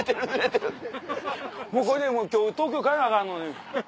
もうこれでもう今日東京帰らなアカンのに。